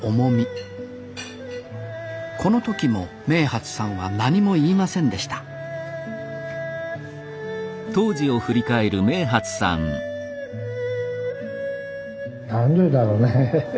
この時も明發さんは何も言いませんでした何でだろうね。